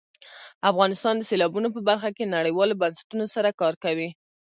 افغانستان د سیلابونو په برخه کې نړیوالو بنسټونو سره کار کوي.